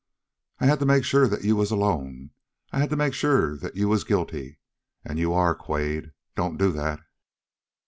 "I had to make sure that you was alone. I had to make sure that you was guilty. And you are, Quade. Don't do that!"